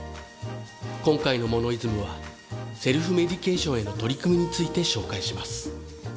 今回の『モノイズム』はセルフメディケーションへの取り組みについて紹介します。